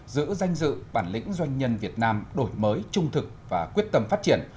giữ danh dự bản lĩnh doanh nhân việt nam đổi mới trung thực và quyết tâm phát triển